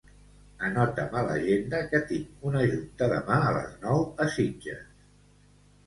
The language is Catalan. Anota'm a l'agenda que tinc una junta demà a les nou a Sitges.